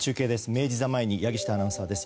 明治座前に柳下アナウンサーです。